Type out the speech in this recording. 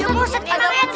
ya pak ustadz ada apa sih